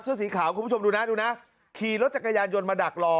สีขาวคุณผู้ชมดูนะดูนะขี่รถจักรยานยนต์มาดักรอ